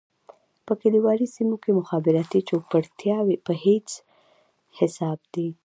په کليوالي سېمو کې مخابراتي چوپړتياوې په هيڅ حساب دي.